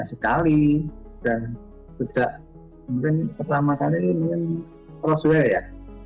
karena benar benar belum bisa menjadi sebuah kontennya